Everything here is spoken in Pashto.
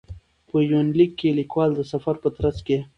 په یونلیک کې لیکوال د سفر په ترڅ کې.